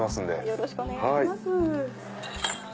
よろしくお願いします。